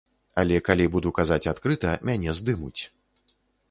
Але калі буду казаць адкрыта, мяне здымуць.